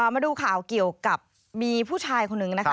มาดูข่าวเกี่ยวกับมีผู้ชายคนหนึ่งนะคะ